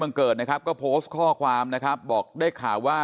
เกิดนะครับก็โพสต์ข้อความนะครับบอกได้ข่าวว่า